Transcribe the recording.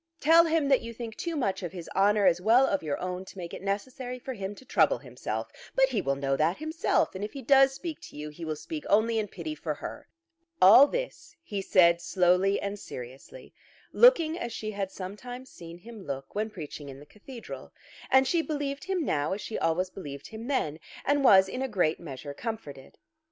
Tell him that you think too much of his honour as well of your own to make it necessary for him to trouble himself. But he will know that himself, and if he does speak to you, he will speak only in pity for her." All this he said slowly and seriously, looking as she had sometimes seen him look when preaching in the cathedral. And she believed him now as she always believed him then, and was in a great measure comforted.